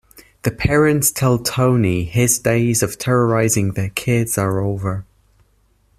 The parents tell Tony his days of terrorizing their kids are over.